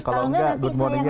kalau gak good morning ya